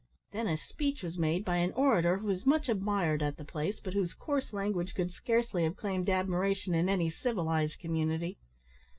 Then a speech was made by an orator who was much admired at the place, but whose coarse language would scarcely have claimed admiration in any civilised community.